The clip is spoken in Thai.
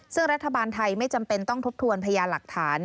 ซึ่งรัฐบาลไทยไม่จำเป็นต้องทบทวนพยานหลักฐาน